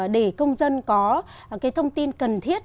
để công dân có thông tin cần thiết